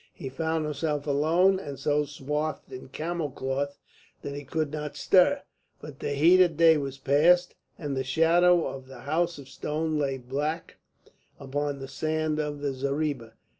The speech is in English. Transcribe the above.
He found himself alone, and so swathed in camel cloths that he could not stir; but the heat of the day was past, and the shadow of the House of Stone lay black upon the sand of the zareeba.